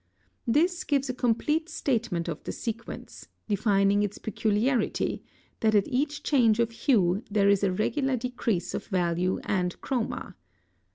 This gives a complete statement of the sequence, defining its peculiarity, that at each change of hue there is a regular decrease of value and chroma.